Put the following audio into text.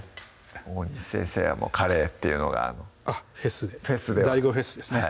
大西先生はカレーっていうのがフェスでＤＡＩＧＯフェスですね